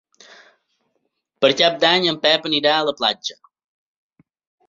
Per Cap d'Any en Pep anirà a la platja.